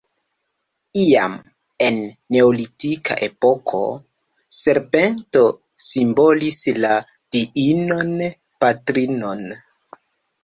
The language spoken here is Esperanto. Iam, en neolitika epoko, serpento simbolis la Diinon Patrinon.